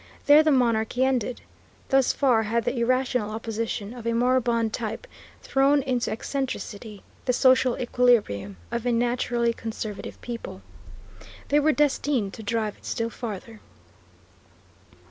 There the monarchy ended. Thus far had the irrational opposition of a moribund type thrown into excentricity the social equilibrium of a naturally conservative people. They were destined to drive it still farther.